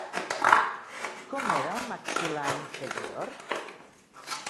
Com era el maxil·lar inferior?